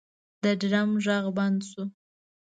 د ډرم غږ بند شو.